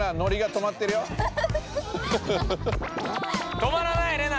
止まらないレナ！